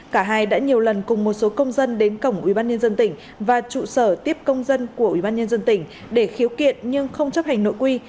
cả hai đã nhiều lần cùng một số công dân đến cổng ubnd tỉnh và trụ sở tiếp công dân của ubnd tỉnh để khiếu kiện nhưng không chấp hành nội quy